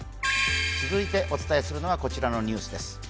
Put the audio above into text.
続いてお伝えするのがこちらのニュースです。